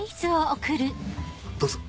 どうぞ。